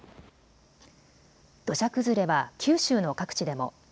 土砂崩れは九州の各地でも。